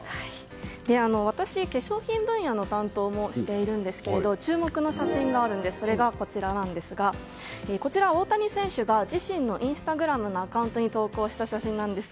私は化粧品分野の担当もしていますが注目の写真がこちらですがこちら、大谷選手が自身のインスタグラムのアカウントに投稿した写真なんです。